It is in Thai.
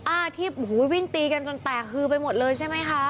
อ่าที่วิ่งตีกันจนแตกฮือไปหมดเลยใช่ไหมคะ